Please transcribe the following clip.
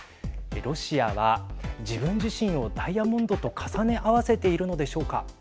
ロシアは自分自身をダイヤモンドと重ね合わせているのでしょうか。